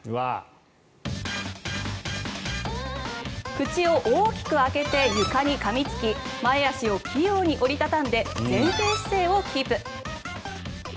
口を大きく開けて床にかみつき前足を器用に折り畳んで前傾姿勢をキープ。